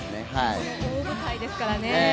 この大舞台ですからね。